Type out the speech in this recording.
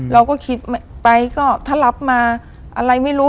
เราก็คิดไปก็ถ้ารับมาอะไรไม่รู้